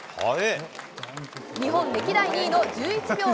日本歴代２位の１１秒２４。